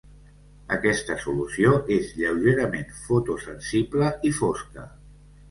Aquesta solució és lleugerament fotosensible i fosca.